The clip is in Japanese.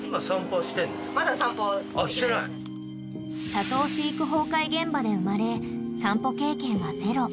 ［多頭飼育崩壊現場で生まれ散歩経験はゼロ］